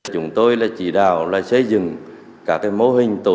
chúng tôi chỉ đạo xây dựng các mô hình tổ tự